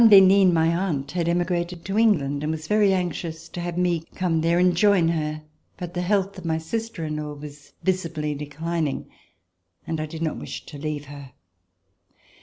d'Henin, my aunt, had emigrated to England and was very anxious to have me come there and join her, but the health of my sister in law was visibly declining and I did not wish to leave her.